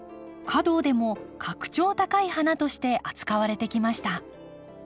華道でも格調高い花として扱われてきました。